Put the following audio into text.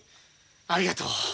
ありがとう。